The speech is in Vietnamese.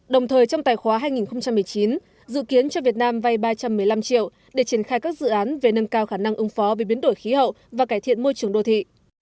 đồng thời trong tài khoá hai nghìn một mươi chín dự kiến cho việt nam vay ba trăm một mươi năm triệu để triển khai các dự án về nâng cao khả năng ứng phó về biến đổi khí hậu và cải thiện môi trường đô thị